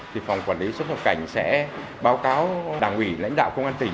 thì phòng quản lý xuất nhập cảnh sẽ báo cáo đảng ủy lãnh đạo công an tỉnh